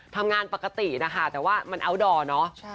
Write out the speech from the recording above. ทำงานปกตินะคะแต่ว่ามันอัลดอร์เนอะ